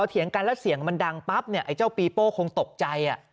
เถียงกันแล้วเสียงมันดังปั๊บเนี่ยไอ้เจ้าปีโป้คงตกใจ